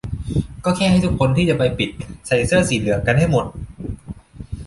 ก็แค่ให้ทุกคนที่จะไปปิดใส่เสื้อสีเหลืองกันให้หมด